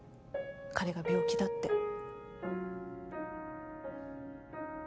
彼が病気だって。